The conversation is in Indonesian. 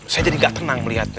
saya jadi gak tenang melihatnya